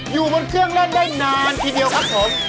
อยู่บนเครื่องเล่นได้นานทีเดียวครับผม